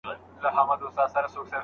نوښت ستاسو په ژوند کي برکت راوړي.